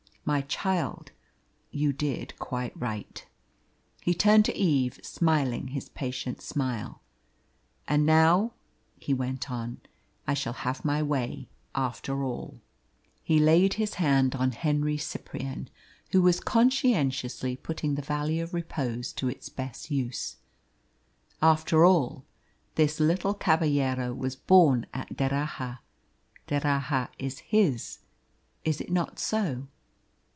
My child, you did quite right!" He turned to Eve, smiling his patient smile. "And now," he went on, "I shall have my way after all." He laid his hand on Henry Cyprian, who was conscientiously putting the Valley of Repose to its best use. "After all, this little caballero was born at D'Erraha. D'Erraha is his; is it not so?"